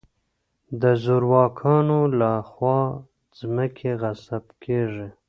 د زورواکانو له خوا ځمکې غصب کېږي.